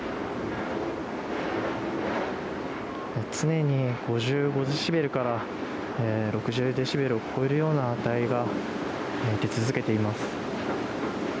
常に５５デシベルから６０デシベルを超える値が出続けています。